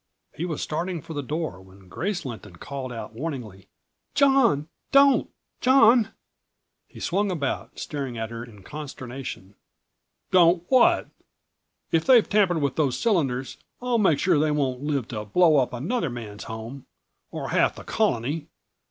He was starting for the door when Grace Lynton called out warningly: "John, don't! John!" He swung about, staring at her in consternation. "Don't what? If they've tampered with those cylinders I'll make sure they won't live to blow up another man's home or half the Colony!"